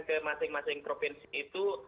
ke masing masing provinsi itu